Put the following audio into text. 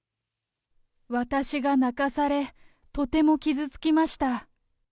私が泣かされ、とても傷つきました。